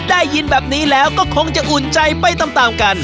ได้ยินแบบนี้แล้วก็คงจะอุ่นใจไปตามกัน